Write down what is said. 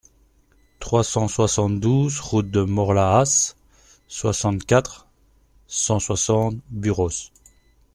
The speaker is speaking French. trois cent soixante-douze route de Morlaàs, soixante-quatre, cent soixante, Buros